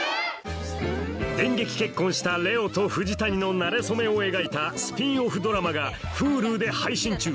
電撃結婚した玲緒と藤谷のなれそめを描いたスピンオフドラマがＨｕｌｕで配信中